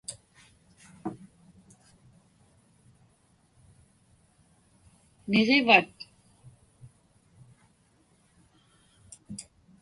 Niġivat?